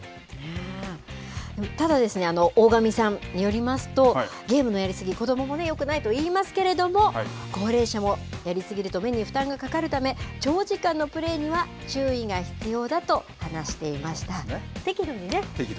ただ、大上さんによりますと、ゲームのやりすぎ、子どももよくないといいますけれども、高齢者もやり過ぎると目に負担がかかるため、長時間のプレイには注意が必要だと話していました。